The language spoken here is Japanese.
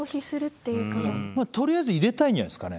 とりあえず入れたいんじゃないですかね。